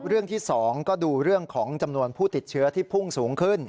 เรื่องที่๒ก็ดูเรื่องของจำนวนผู้ติดเชื้อที่พุ่งสูงขึ้น